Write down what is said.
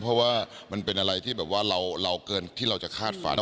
เพราะว่ามันเป็นอะไรที่แบบว่าเราเกินที่เราจะคาดฝัน